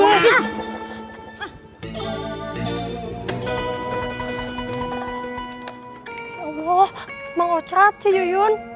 ya allah mang ocat cuyun